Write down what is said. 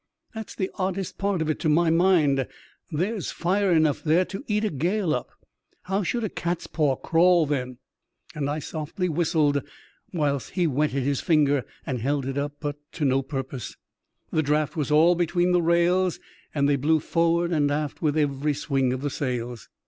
That's the oddest part of it to my mind. There's fire enough there to eat a gale up. How should a cat's paw crawl then?" And I softly whistled, whilst he wetted his finger and held it up — but to no purpose ; the draught was all between the rails, and they blew forward and aft with every swing of the sails.